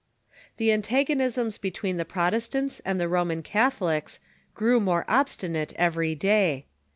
The antagonisms between the Protestants and the Roman Catholics grew more obstinate every day.